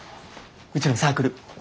うちのサークル。